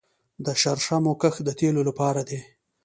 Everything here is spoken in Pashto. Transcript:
د شرشمو کښت د تیلو لپاره دی